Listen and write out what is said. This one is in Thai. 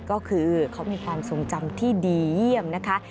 ก็คือเขามีความทรงจำที่ดีเยี่ยมนะคะ